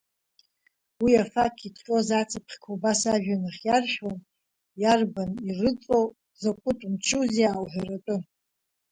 Уи афақь иҭҟьоз ацԥхьқәа убас ажәҩан ахь иаршәуан, иарбан, ирыҵоу закә мчузеи аауҳәартә.